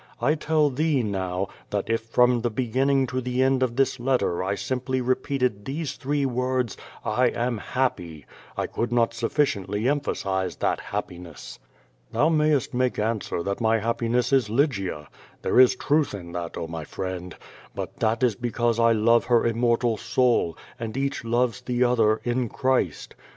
I tell thee now, that if from the be ginning to the end of this letter I simply repeated these three words, "I am happy,'' I could not sufficiently emphasize that happiness. Thou mayest make answer that my happiness is Lygia. There is truth in that, oh, my friend. But that is because I love her immortal soul, and each loves the other in Christ.